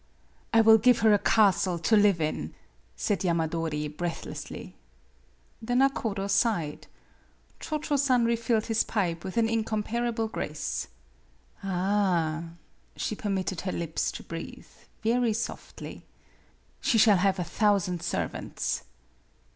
" I will give her a castle to live in," said Yamadori, breathlessly. The nakodo sighed. Cho Cho San refilled his pipe with an incomparable grace. "Ah!" she permitted her lips to breathe very softly. "She shall have a thousand servants."